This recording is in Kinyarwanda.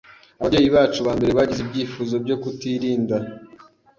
Ababyeyi bacu ba mbere bagize ibyifuzo byo kutirinda